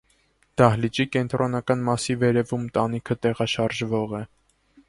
Դահլիճի կենտրոնական մասի վերևում տանիքը տեղաշարժվող է։